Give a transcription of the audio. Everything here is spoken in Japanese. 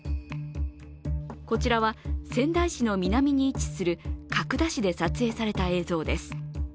こちらは仙台市の南に位置する角田市で撮影された映像です。